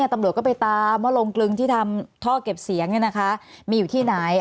ตำรวจก็ไปตามว่าโรงกลึงที่ทำท่อเก็บเสียงมีอยู่ที่ไหน